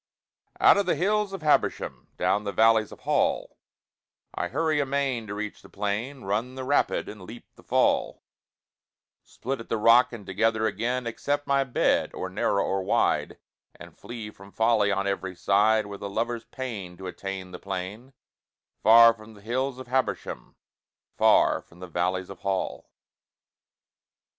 Out of the hills of Habersham, Down the valleys of Hall, I hurry amain to reach the plain, Run the rapid and leap the fall, Split at the rock and together again, Accept my bed, or narrow or wide, And flee from folly on every side With a lover's pain to attain the plain Far from the hills of Habersham, Far from the valleys of Hall.